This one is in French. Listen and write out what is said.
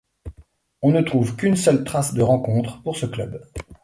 On ne trouve qu’une seule trace de rencontre pour ce club.